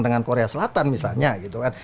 dengan korea selatan misalnya gitu kan